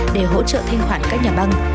để hỗ trợ thanh khoản các nhà băng